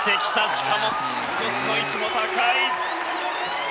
しかも静止の位置も高い。